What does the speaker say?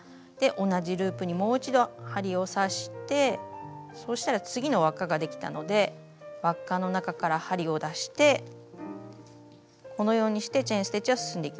同じループにもう一度針を刺してそうしたら次の輪っかができたので輪っかの中から針を出してこのようにしてチェーン・ステッチは進んでいきます。